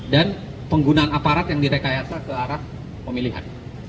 dan penggunaan aparat yang direkayasa ke arah pemilihan